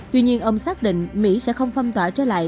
tuy nhiên ông xác định mỹ sẽ không phong tỏa trở lại